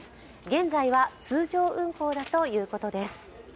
現在は通常運行だということです。